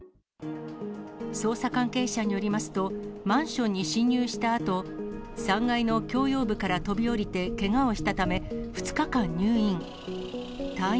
捜査関係者によりますと、マンションに侵入したあと、３階の共用部から飛び降りてけがをしたため、２日間入院。